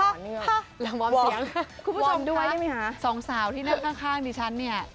ฮะแล้ววอร์มเสียงคุณผู้ชมคะสองสาวที่นั่งข้างดิฉันเนี่ย